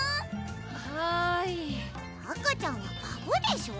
はい赤ちゃんは「バブ」でしょ！